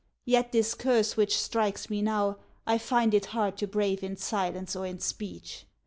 Yet this curse Which strikes me now, I find it hard to brave In silence or in speech.